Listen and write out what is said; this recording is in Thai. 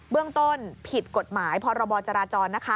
เบื้องต้นผิดกฎหมายพรจรจร